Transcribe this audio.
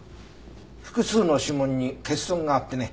複数の指紋に欠損があってね